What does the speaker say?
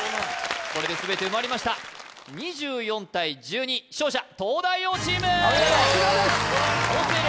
これで全て埋まりました２４対１２勝者東大王チームお見事